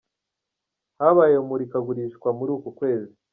Habaye imurikagurishwa muri uku kwezi.